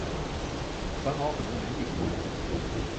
烦恼很多没意思的事情